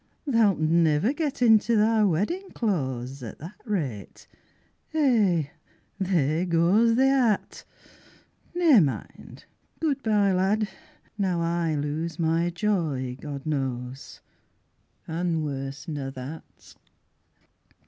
Tha'lt niver get into thy weddin' clothes At that rate eh, theer goes thy hat; Ne'er mind, good bye lad, now I lose My joy, God knows, An' worse nor that.